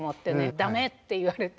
駄目って言われて。